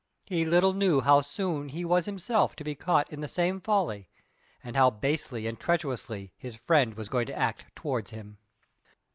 He little knew how soon he was himself to be caught in the same folly, and how basely and treacherously his friend was going to act towards him.